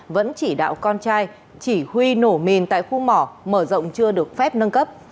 vẫn chỉ đạo con trai chỉ huy nổ mìn tại khu mỏ mở rộng chưa được phép nâng cấp